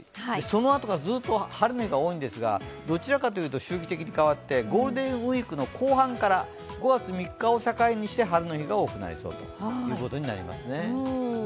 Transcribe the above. そのあとがずっと晴れの日が多いんですがどちらかというと周期的に変わってゴールデンウイークの後半から、５月３日を境にして晴れの日が多くなりそうということになりますね。